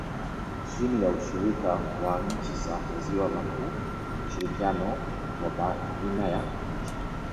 chini ya ushirika wa nchi za maziwa makuu ushirikiano wa baina ya nchi